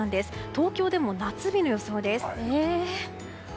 東京でも夏日の予想です。